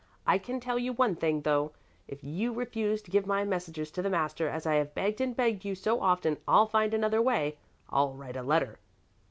I can tell you one thing, though! If you refuse to give my messages to the master as I have begged and begged you to so often, I'll find another way. I'll write a letter."